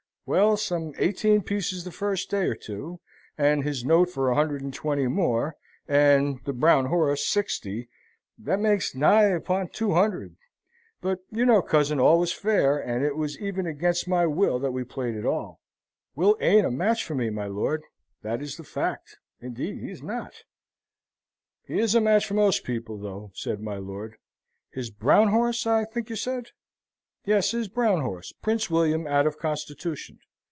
"Well, some eighteen pieces the first day or two, and his note for a hundred and twenty more, and the brown horse, sixty that makes nigh upon two hundred. But, you know, cousin, all was fair, and it was even against my will that we played at all. Will ain't a match for me, my lord that is the fact. Indeed he is not." "He is a match for most people, though," said my lord. "His brown horse, I think you said?" "Yes. His brown horse Prince William, out of Constitution.